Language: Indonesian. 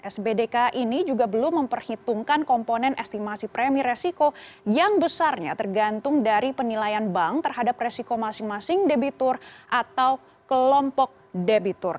sbdk ini juga belum memperhitungkan komponen estimasi premi resiko yang besarnya tergantung dari penilaian bank terhadap resiko masing masing debitur atau kelompok debitur